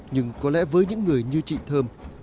nhưng có lẽ với những người như chị thơm